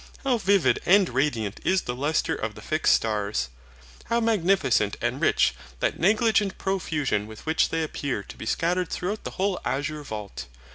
How vivid and radiant is the lustre of the fixed stars! How magnificent and rich that negligent profusion with which they appear to be scattered throughout the whole azure vault!